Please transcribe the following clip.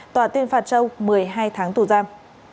tòa tuyên phạt châu một mươi hai tháng tù giam